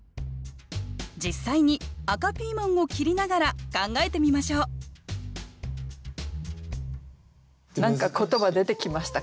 実際に赤ピーマンを切りながら考えてみましょう何か言葉出てきましたか？